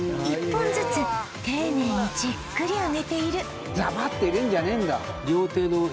１本ずつ丁寧にじっくり揚げているザバッて入れんじゃねえんだ